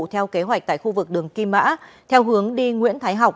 theo kế hoạch tại khu vực đường kim mã theo hướng đi nguyễn thái học